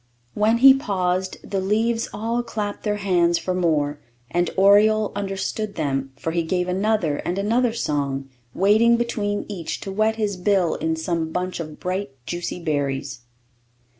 When he paused, the leaves all clapped their hands for more; and oriole understood them, for he gave another and another song, waiting between each to wet his bill in some bunch of bright, juicy berries.